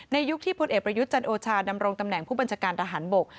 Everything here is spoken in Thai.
ยุคที่พลเอกประยุทธ์จันโอชาดำรงตำแหน่งผู้บัญชาการทหารบก